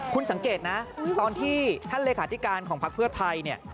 คุณสังเกตนะตอนที่ท่านเลขาธิการของพักเพื่อไทยเนี่ย